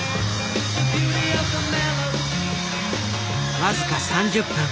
僅か３０分。